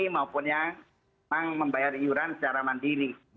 membayar yuran secara mandiri